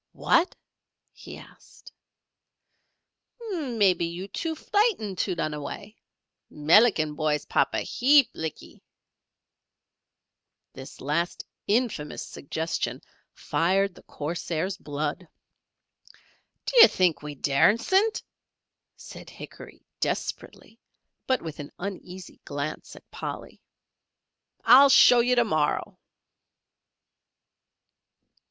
"Wot!" he asked. "Mebbee you too frightened to lun away. Melican boy's papa heap lickee." This last infamous suggestion fired the corsair's blood. "Dy'ar think we daresent," said Hickory, desperately, but with an uneasy glance at Polly. "I'll show yer to morrow."